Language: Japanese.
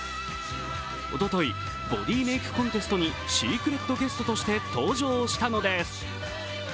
おととい、ボディメイクコンテストにシークレットゲストとして登場したのです。